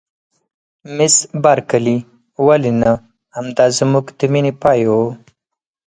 مس بارکلي: ولې نه؟ همدای زموږ د مینې پای و.